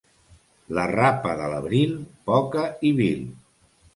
La rapa de l'abril, poca i vil.